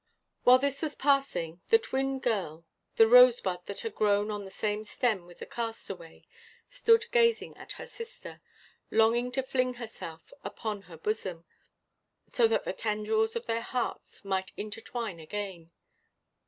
While this was passing, the twin girl the rosebud that had grown on the same stem with the castaway stood gazing at her sister, longing to fling herself upon her bosom, so that the tendrils of their hearts might intertwine again.